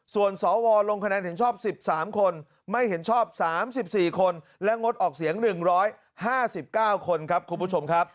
ส่วนสวลงคะแนนเห็นชอบ๑๓คนไม่เห็นชอบ๓๔คนและงดออกเสียง๑๕๙คนครับคุณผู้ชมครับ